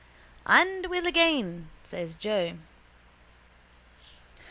—And will again, says Joe.